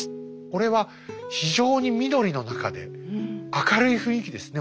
これは非常に緑の中で明るい雰囲気ですね。